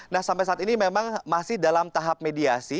nah sampai saat ini memang masih dalam tahap mediasi